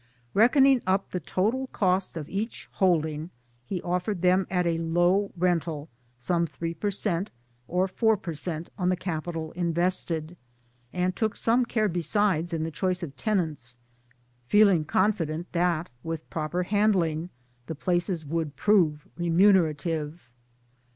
Reckoning up the total cost of each holding he offered them at a low rental, some 3 per cent, or 4 per cent, on the capital invested, and took some care besides in the choice of tenants, feeling confident that with proper handling the places would prove remunerative.